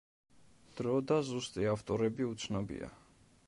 დრო და ზუსტი ავტორები უცნობია.